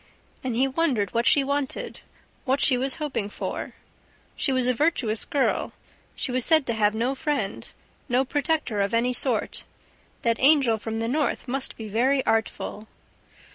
And he wondered what she wanted. What she was hoping for... She was a virtuous girl, she was said to have no friend, no protector of any sort ... That angel from the North must be very artful!